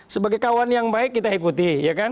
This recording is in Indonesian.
sebagai kawan yang baik kita ikuti ya kan